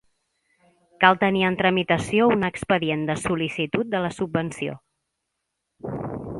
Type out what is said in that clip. Cal tenir en tramitació un expedient de sol·licitud de la subvenció.